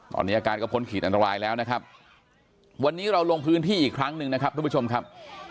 ตอนนี้อาการก็พ้นขีดอันตรายแล้วนะครับวันนี้เราลงพื้นที่อีกครั้งหนึ่งนะครับทุกผู้ชมครับ